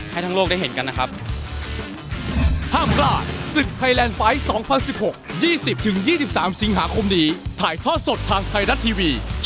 ให้ทั้งโลกได้เห็นกันนะครับ